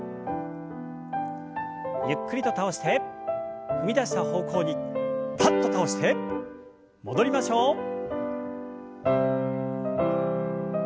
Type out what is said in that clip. ゆっくりと倒して踏み出した方向にパッと倒して戻りましょう。